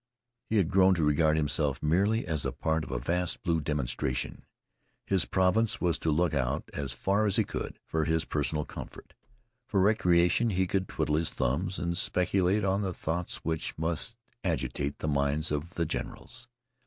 He had grown to regard himself merely as a part of a vast blue demonstration. His province was to look out, as far as he could, for his personal comfort. For recreation he could twiddle his thumbs and speculate on the thoughts which must agitate the minds of the generals.